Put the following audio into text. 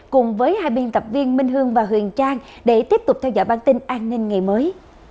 cùng với hai biên tập viên minh hương và huyền trang để tiếp tục theo dõi bản tin an ninh ngày mới